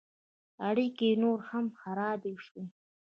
اړیکې نور هم خراب شوې.